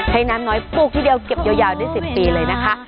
ให้น้ำน้อยปลูกทีเดียวเก็บยาวได้๑๐ปีเลยนะคะ